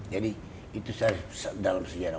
jadi itu dalam sejarah